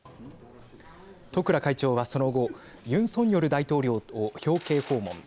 十倉会長は、その後ユン・ソンニョル大統領を表敬訪問。